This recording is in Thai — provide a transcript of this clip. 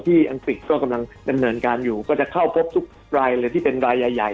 อังกฤษก็กำลังดำเนินการอยู่ก็จะเข้าพบทุกรายเลยที่เป็นรายใหญ่